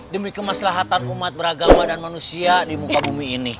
demi kemaslahatan umat beragama dan manusia di muka bumi ini